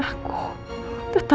kita masih kerja bersama